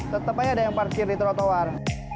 tetap aja ada yang parkir di trotoar